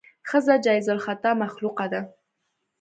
ښځه جایز الخطا مخلوقه ده.